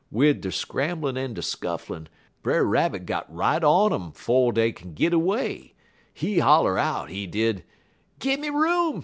Wid der scramblin' en der scufflin', Brer Rabbit got right on um 'fo' dey kin git away. He holler out, he did: "'Gimme room!